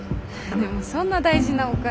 でもそんな大事なお金。